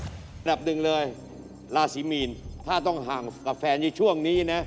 อันดับหนึ่งเลยราศีมีนถ้าต้องห่างกับแฟนในช่วงนี้นะ